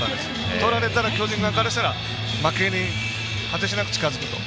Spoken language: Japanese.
取られたら、巨人側からすると負けに果てしなく近づくと。